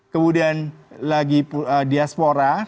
kemudian lagi diaspora